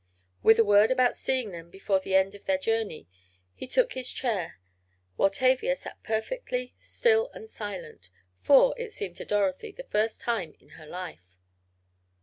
With a word about seeing them before the end of their journey, he took his chair, while Tavia sat perfectly still and silent, for, it seemed to Dorothy, the first time in her life.